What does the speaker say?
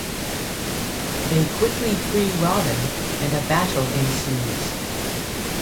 They quickly free Robin and a battle ensues.